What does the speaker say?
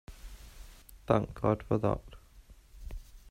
Thank God for that!